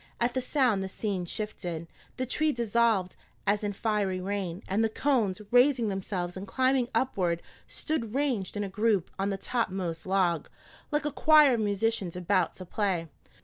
At the sound the scene shifted, the tree dissolved as in fiery rain, and the cones, raising themselves and climbing upward, stood ranged in a group on the topmost log, like a choir of musicians about to play.